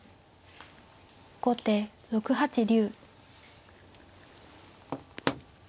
後手６八竜。